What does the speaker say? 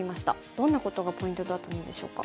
どんなことがポイントだったのでしょうか。